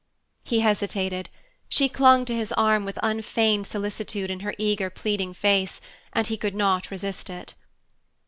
He hesitated. She clung to his arm with unfeigned solicitude in her eager, pleading face, and he could not resist it.